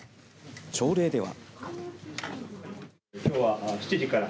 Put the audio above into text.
朝礼では。